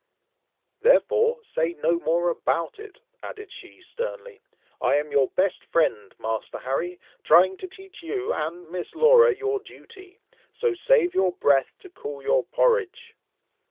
"Therefore say no more about it!" added she, sternly. "I am your best friend, Master Harry, trying to teach you and Miss Laura your duty, so save your breath to cool your porridge."